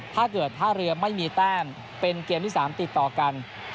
ถ้าเกิดท่าเรือไม่มีแต้มเป็นเกมที่๓ติดต่อกัน